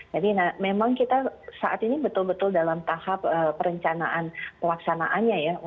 jadi memang kita saat ini betul betul dalam tahap perencanaan pelaksanaannya